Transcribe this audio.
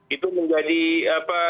itu menjadi hal yang sangat penting